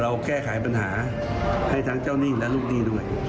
เราแก้ไขปัญหาให้ทั้งเจ้าหนี้และลูกหนี้ด้วย